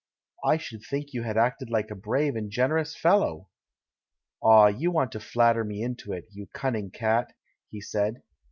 "I should think you had acted like a brave and generous fellow!" "Ah, you want to flatter me into it, you cun ning cat!" he said.